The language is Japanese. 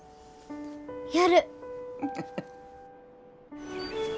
やる。